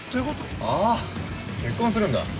◆あー、結婚するんだ。